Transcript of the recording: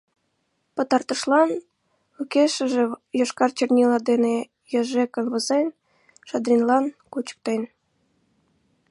Пытартышлан, лукешыже йошкар чернила дене йожекын возен, Шадринлан кучыктен.